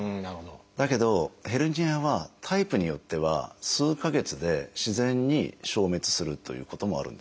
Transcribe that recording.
だけどヘルニアはタイプによっては数か月で自然に消滅するということもあるんですよね。